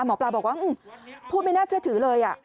หมอปลาบอกว่าพูดไม่น่าเชื่อถือเลย